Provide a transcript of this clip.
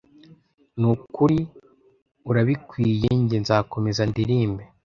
Nukuri urabikwiye njye nzakomeza ndirimbe